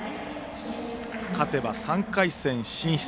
勝てば３回戦進出。